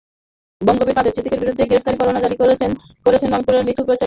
বঙ্গবীর কাদের সিদ্দিকীর বিরুদ্ধে গ্রেপ্তারি পরোয়ানা জারি করেছেন রংপুরের মুখ্য বিচারিক হাকিম আদালত।